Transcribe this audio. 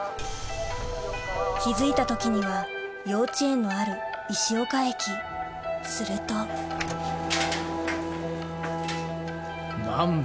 気付いた時には幼稚園のある石岡駅すると何だ？